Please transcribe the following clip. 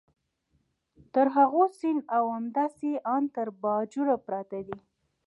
تر غو سین او همداسې ان تر باجوړه پراته دي.